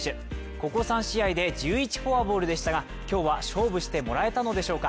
ここ３試合で１１フォアボールでしたが今日は勝負してもらえたのでしょうか。